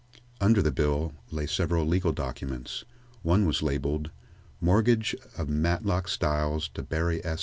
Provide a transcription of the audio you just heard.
Under the bills lay several legal documents. One was labeled: "Mortgage of Matlock Styles to Barry S.